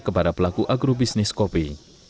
kepada pelaku agrobisnis kopi